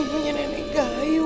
rumah nenek gayu